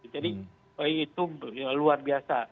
jadi itu luar biasa